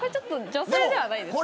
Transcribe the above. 女性ではないですね。